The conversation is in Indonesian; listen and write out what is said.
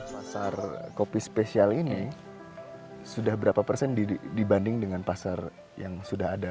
pasar kopi spesial ini sudah berapa persen dibanding dengan pasar yang sudah ada